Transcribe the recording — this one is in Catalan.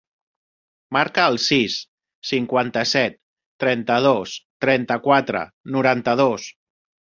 Marca el sis, cinquanta-set, trenta-dos, trenta-quatre, noranta-dos.